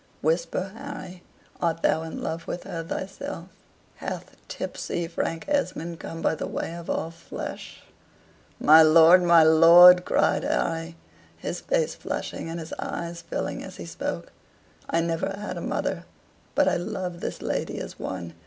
"Whisper, Harry. Art thou in love with her thyself? Hath tipsy Frank Esmond come by the way of all flesh?" "My lord, my lord," cried Harry, his face flushing and his eyes filling as he spoke, "I never had a mother, but I love this lady as one.